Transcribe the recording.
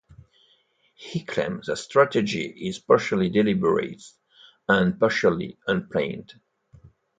He claimed that strategy is partially deliberate and partially unplanned.